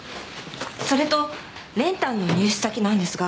それと練炭の入手先なんですが。